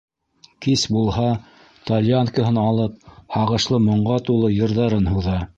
Кис булһа, тальянкаһын алып, һағышлы моңға тулы йырҙарын һуҙа: